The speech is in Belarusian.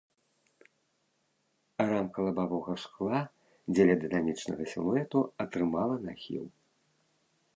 Рамка лабавога шкла дзеля дынамічнага сілуэту атрымала нахіл.